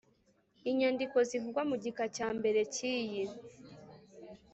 Inyandiko zivugwa mu gika cya mbere cy iyi